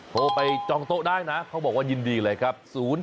โทรไปจองโต๊ะได้นะเขาบอกว่ายินดีเลยครับ